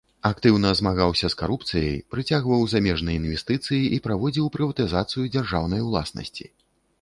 Актыўна змагаўся з карупцыяй, прыцягваў замежныя інвестыцыі і праводзіў прыватызацыю дзяржаўнай уласнасці.